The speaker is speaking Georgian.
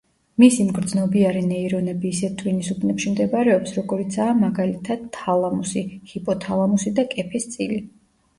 მისი მგრძნობიარე ნეირონები ისეთ ტვინის უბნებში მდებარეობს, როგორიცაა, მაგალითად თალამუსი, ჰიპოთალამუსი და კეფის წილი.